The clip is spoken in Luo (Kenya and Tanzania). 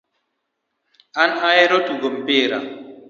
An ahero tugo mpira